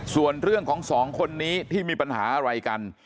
ส่วนเรื่องของสองคนนี้ที่มีปัญหาอะไรกัน